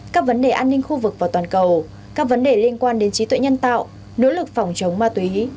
các vấn đề an ninh khu vực và toàn cầu các vấn đề liên quan đến trí tuệ nhân tạo nỗ lực phòng chống ma túy